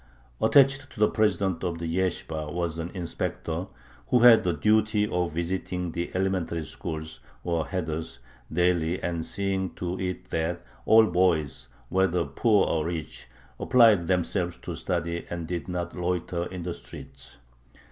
Attached to the president of the yeshibah was an inspector, who had the duty of visiting the elementary schools, or heders, daily, and seeing to it that all boys, whether poor or rich, applied themselves to study and did not loiter in the streets.